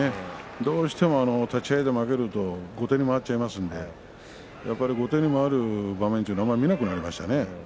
どうしても立ち合いで負けると後手に回ってしまいますから後手に回る場面というのがなくなりましたね。